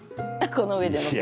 この上で。